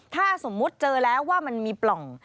ถ้าสมมุติเจอแล้วว่ามันมีปล่อง